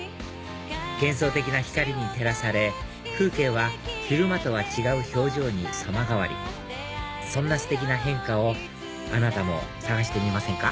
幻想的な光に照らされ風景は昼間とは違う表情に様変わりそんなステキな変化をあなたも探してみませんか？